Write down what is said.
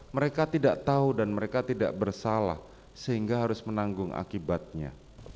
mereka tidak tahu dan mereka tidak bersalah sehingga harus menanggung akibatnya